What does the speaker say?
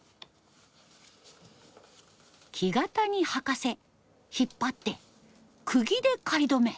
木型に履かせ引っ張って釘で仮留め。